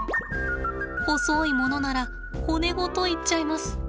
細いものなら骨ごといっちゃいます。